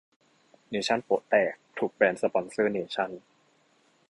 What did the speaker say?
เนชั่นโป๊ะแตก ถูก แบนสปอนเซอร์เนชั่น